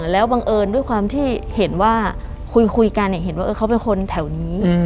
แล้วบังเอิญด้วยความที่เห็นว่าคุยกันเห็นว่าเขาเป็นคนแถวนี้